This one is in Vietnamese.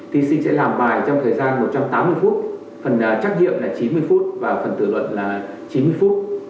thí sinh sẽ làm bài trong thời gian một trăm tám mươi phút phần trắc nghiệm là chín mươi phút và phần tự luận là chín mươi phút